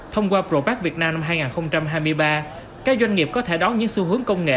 thông qua pro park việt nam năm hai nghìn hai mươi ba các doanh nghiệp có thể đón những xu hướng công nghệ